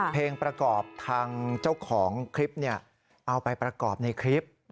เพลงประกอบทางเจ้าของคลิปเอาไปประกอบในคลิป